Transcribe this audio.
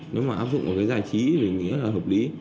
nếu mà áp dụng một cái giải trí thì mình nghĩ là hợp lý